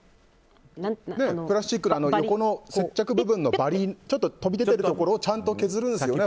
プラスチックの横の接着部分のバリちょっと飛び出てるところをちゃんと削るんですよね